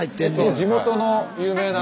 地元の有名な？